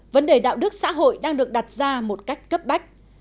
vấn đề đạo đức xã hội đang được đặt ra một cách cấp bách